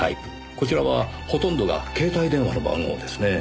こちらはほとんどが携帯電話の番号ですねぇ。